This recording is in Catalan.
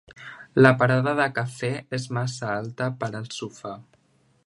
La parada de cafè és massa alta per al sofà.